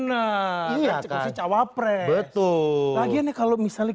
masyarakat bukan masyarakat bukan masyarakat bukan masyarakat bukan masyarakat betul lagi kalau misalnya